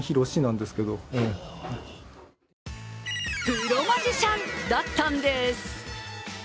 プロマジシャンだったんです。